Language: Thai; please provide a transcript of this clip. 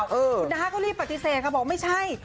คุณน้าก็รีบปฏิเสธค่ะบอกไม่ใช่